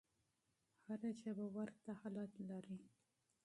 هره ژبه ورته حالت لري.